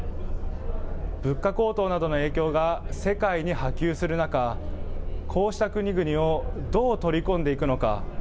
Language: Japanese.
物価高騰などの影響が世界に波及する中、こうした国々をどう取り込んでいくのか。